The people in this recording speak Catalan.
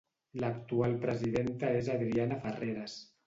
L'actual presidenta és Adriana Ferreres.